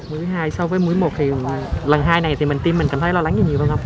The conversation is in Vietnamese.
mũi hai so với mũi một thì lần hai này thì mình tiêm mình cảm thấy lo lắng nhiều hơn không